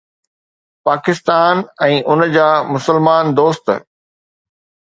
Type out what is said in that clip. پاڪستان ۽ ان جا مسلمان دوست